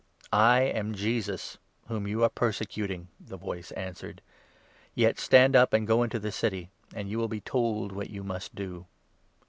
5 " I am Jesus, whom you are persecuting," the voice an swered ; "yet stand up and go into the city, and you will be 6 told what you must do."